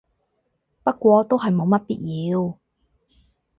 不過都係冇乜必要